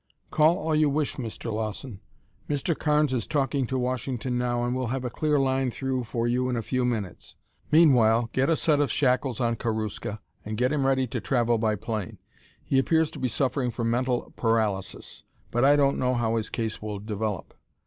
"Call all you wish, Mr. Lawson. Mr. Carnes is talking to Washington now and we'll have a clear line through for you in a few minutes. Meanwhile, get a set of shackles on Karuska and get him ready to travel by plane. He appears to be suffering from mental paralysis, but I don't know how his case will develop.